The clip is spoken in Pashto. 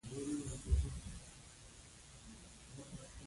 د اَوَد د ساتلو لپاره احتیاطي اقدامات وکړي.